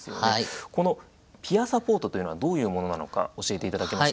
このピアサポートというのはどういうものなのか教えていただけますか？